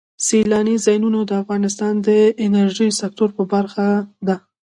سیلاني ځایونه د افغانستان د انرژۍ سکتور برخه ده.